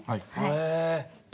へえ。